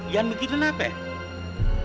yang mikirin apa ya